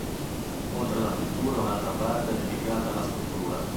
Oltre a alla pittura un'altra parte è dedicata alla scultura.